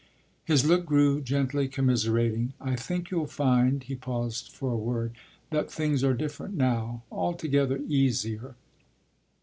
His look grew gently commiserating. “I think you’ll find ” he paused for a word “that things are different now altogether easier.